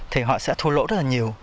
thì họ sẽ thua lỗ rất là nhiều